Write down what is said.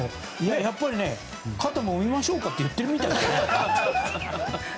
やっぱり肩もみましょうかって言ってるみたいですよ。